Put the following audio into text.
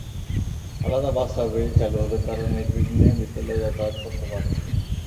আলাদা bus service চালু হলে তারা নির্বিঘ্নে বিদ্যালয়ে যাতায়াত করতে পারবে।